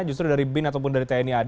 justru dari bin ataupun dari tni ad